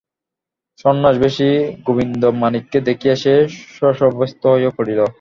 সন্ন্যাসবেশী গোবিন্দমাণিক্যকে দেখিয়া সে শশব্যস্ত হইয়া পড়িল।